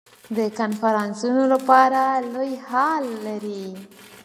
د کنفرانسونو لپاره لوی هال لري.